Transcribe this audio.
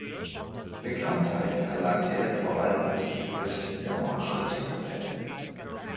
Bekanntheit erlangte er vor allem als Gitarrist der Marshall Tucker Band.